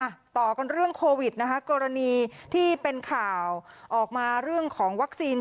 ต่อกันเรื่องโควิดนะคะกรณีที่เป็นข่าวออกมาเรื่องของวัคซีน